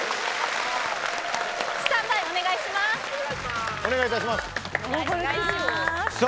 スタンバイお願いします。